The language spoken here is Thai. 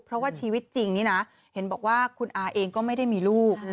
เพราะว่าชีวิตจริงนี่นะเห็นบอกว่าคุณอาเองก็ไม่ได้มีลูก